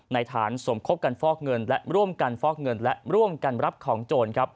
ฐานสมคบกันฟอกเงินและร่วมกันฟอกเงินและร่วมกันรับของโจรครับ